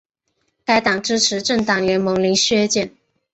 该党支持政党联盟零削减。